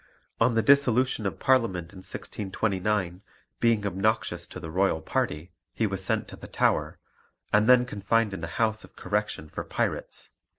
On the dissolution of Parliament in 1629, being obnoxious to the royal party, he was sent to the Tower, and then confined in a house of correction for pirates.